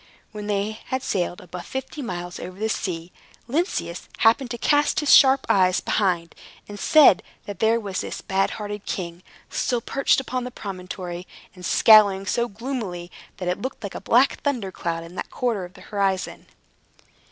When they had sailed above fifty miles over the sea, Lynceus happened to cast his sharp eyes behind, and said that there was this bad hearted king, still perched upon the promontory, and scowling so gloomily that it looked like a black thunder cloud in that quarter of the horizon.